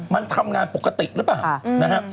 มันทำงานปกติหรือเปล่า